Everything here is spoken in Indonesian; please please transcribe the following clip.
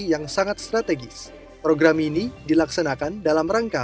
yang sangat strategis program ini dilaksanakan dalam rangka